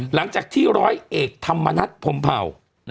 หลังจากที่ร้อยเอกธรรมนัฐพรมเผ่า